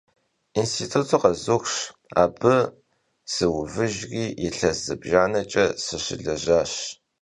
Yinstitutır khezuxş, abı sıuvıjjri, yilhes zıbjjaneç'e sışılejaş.